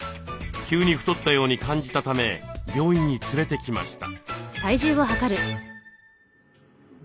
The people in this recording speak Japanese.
急に太ったように感じたため病院に連れてきました。